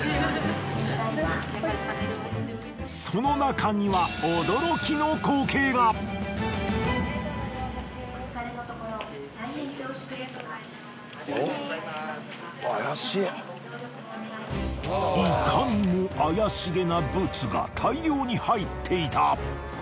その中にはいかにも怪しげなブツが大量に入っていた。